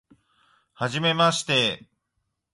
はじめまして